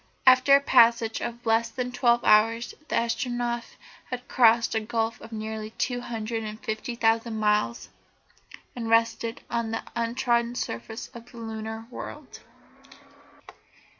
After a passage of less than twelve hours the Astronef had crossed a gulf of nearly two hundred and fifty thousand miles, and rested on the untrodden surface of the lunar world.